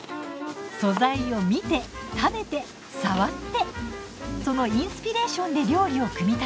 素材を見て食べて触ってそのインスピレーションで料理を組み立てる。